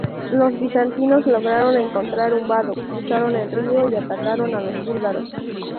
Los bizantinos lograron encontrar un vado, cruzaron el río y atacaron a los búlgaros.